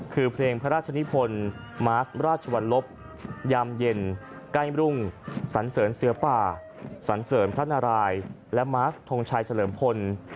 คือเพลงพระราชนิพล